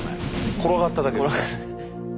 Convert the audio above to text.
転がっただけです。